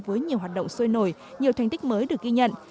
với nhiều hoạt động sôi nổi nhiều thành tích mới được ghi nhận